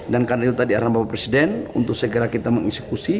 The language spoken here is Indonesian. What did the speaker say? dan karena itu tadi arah bapak presiden untuk segera kita mengeksekusi